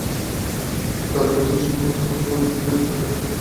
কালেজে আসিবার সময় প্রত্যহ একবার এখানকার সমস্ত বন্দোবস্ত করিয়া খেমির হাতে দিয়া যাইব।